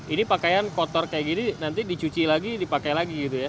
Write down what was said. ini pakaian kotor kayak gini nanti dicuci lagi dipakai lagi gitu ya